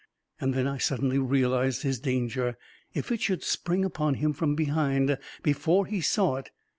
" And then I suddenly realized his danger. If it should spring upon him from behind, before he saw it